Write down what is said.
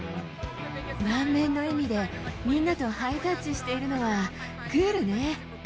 満面の笑みで、みんなとハイタッチしているのは、クールね。